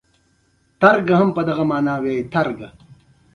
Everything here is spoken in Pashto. بېل زاویې لیدلوري ګوري.